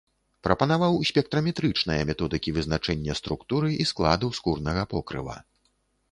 Прапанаваў спектраметрычныя методыкі вызначэння структуры і складу скурнага покрыва.